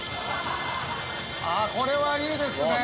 これはいいですね！